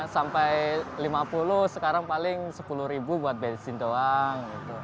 sampai lima puluh sekarang paling sepuluh ribu buat bensin doang